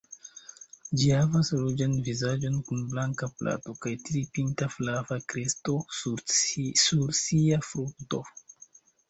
Ĝi havas ruĝan vizaĝon kun blanka plato, kaj tri-pinta flava kresto sur sia frunto.